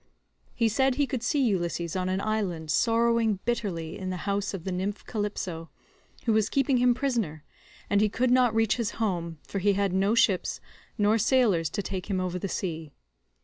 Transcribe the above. He said he could see Ulysses on an island sorrowing bitterly in the house of the nymph Calypso, who was keeping him prisoner, and he could not reach his home, for he had no ships nor sailors to take him over the sea.